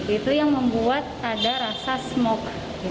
itu yang membuat ada rasa smoke